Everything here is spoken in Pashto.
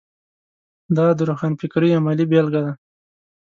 دا د روښانفکرۍ عملي بېلګه ده.